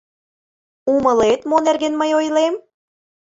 Умылет, мо нерген мый ойлем?